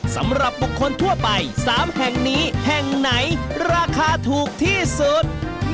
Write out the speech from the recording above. สำหรับบุคคลทั่วไป๓แห่งนี้แห่งไหนราคาถูกที่สุด